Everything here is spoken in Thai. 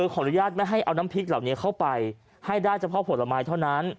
ขออนุญาตไม่ให้เอาน้ำพริกเหล่านี้เข้าไปให้ได้เฉพาะผลไม้เท่านั้น